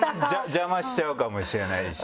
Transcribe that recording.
邪魔しちゃうかもしれないし。